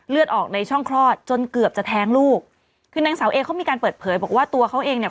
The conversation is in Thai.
เลือดออกในช่องคลอดจนเกือบจะแท้งลูกคือนางสาวเอเขามีการเปิดเผยบอกว่าตัวเขาเองเนี่ย